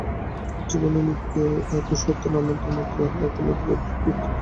জীবন ও মৃত্যু একই সত্যের নামান্তর মাত্র, একই মুদ্রার দুই পিঠ।